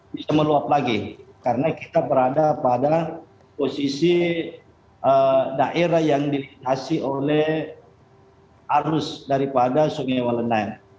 bisa meluap lagi karena kita berada pada posisi daerah yang dilintasi oleh arus daripada sungai walenan